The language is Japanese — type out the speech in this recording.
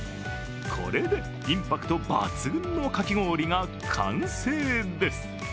これでインパクト抜群のかき氷が完成です。